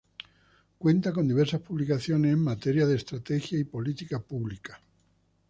Cuenta con diversas publicaciones en materia de estrategia y política pública.